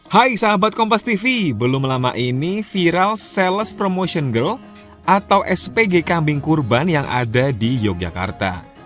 hai sahabat kompastv belum lama ini viral sales promotion girl atau spg kambing kurban yang ada di yogyakarta